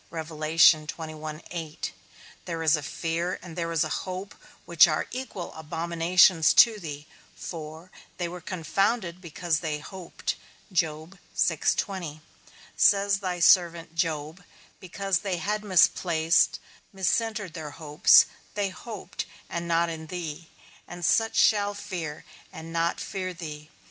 There is a fear and there is a hope, which are equal abominations to thee; for, they were confounded because they hoped, says thy servant Job; because they had misplaced, miscentred their hopes, they hoped, and not in thee, and such shall fear, and not fear thee.